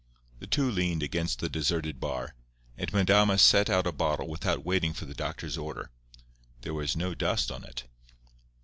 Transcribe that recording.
The two leaned against the deserted bar; and Madama set out a bottle without waiting for the doctor's order. There was no dust on it.